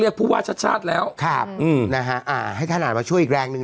ผู้ว่าชาติชาติแล้วครับอืมนะฮะอ่าให้ท่านอ่านมาช่วยอีกแรงหนึ่ง